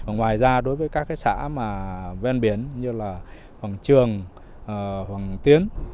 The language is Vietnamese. ngoài ra đối với các cái xã mà ven biển như là hoàng trường hoàng tiến